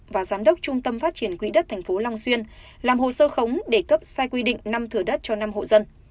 và giám đốc trung tâm phát triển quỹ đất tp long xuyên làm hồ sơ khống để cấp sai quy định năm thửa đất cho năm hộ dân